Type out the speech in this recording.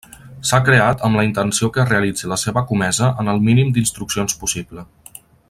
S'ha creat amb la intenció que realitzi la seva comesa en el mínim d'instruccions possible.